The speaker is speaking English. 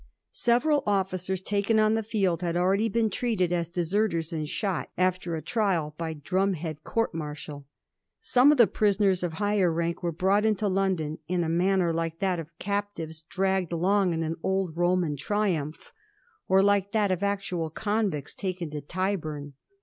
Several officers taken on the field had already been treated as de serters and shot, after a trial by drum head court martial. Some of the prisoners of higher rank were brought into London in a manner like that of captives dragged along in an old Roman triumph, or like that of actual convicts taken to Tyburn.